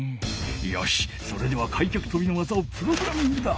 よしそれでは開脚とびの技をプログラミングだ。